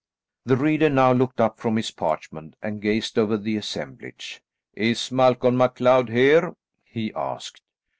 The reader now looked up from his parchment and gazed over the assemblage. "Is Malcolm MacLeod here?" he asked.